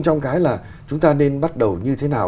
trong cái là chúng ta nên bắt đầu như thế nào